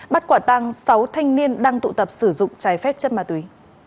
bắt quả tăng sáu thanh niên đang tụ tập sử dụng trái phép chất ma túy